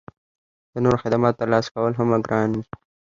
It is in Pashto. د نورو خدماتو ترلاسه کول هم ګران وي